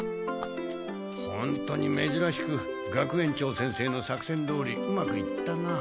本当にめずらしく学園長先生の作戦どおりうまくいったな。